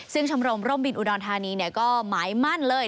ซึ่งชมรมร่มบินอุดรธานีก็หมายมั่นเลย